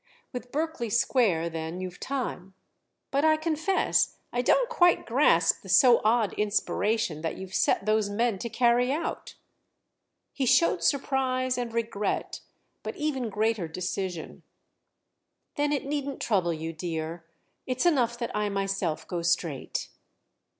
"With Berkeley Square then you've time. But I confess I don't quite grasp the so odd inspiration that you've set those men to carry out." He showed surprise and regret, but even greater decision. "Then it needn't trouble you, dear—it's enough that I myself go straight."